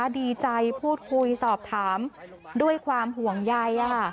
ดีใจพูดคุยสอบถามด้วยความห่วงใย